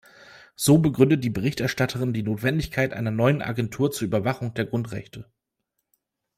So begründet die Berichterstatterin die Notwendigkeit einer neuen Agentur zur Überwachung der Grundrechte.